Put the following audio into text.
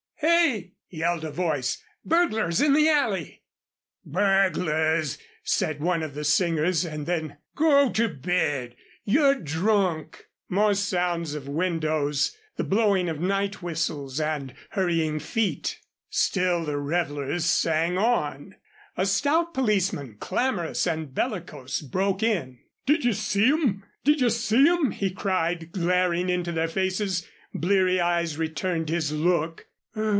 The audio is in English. "Hey!" yelled a voice. "Burglars in the alley!" "Burglars!" said one of the singers; and then: "Go to bed. You're drunk." More sounds of windows, the blowing of night whistles and hurrying feet. Still the revelers sang on. A stout policeman, clamorous and bellicose, broke in. "Did you see 'em? Did you see 'em?" he cried, glaring into their faces. Bleary eyes returned his look.